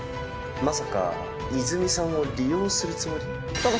まさか、泉さんを利用するつもり？